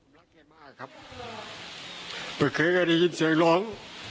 รักแกมากครับไม่เคยก็ได้ยินเสียงร้อง